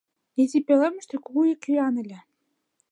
Изи пӧлемыште кугу йӱк-йӱан ыле.